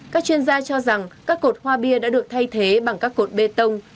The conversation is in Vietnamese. các chuyên gia cho rằng các cột hoa bia đã được thay thế bằng các cột bê tông